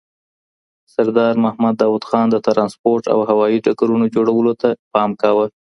سردار محمد داود خان د ټرانسپورټ او هوایي ډګرونو جوړولو ته پام کاوه.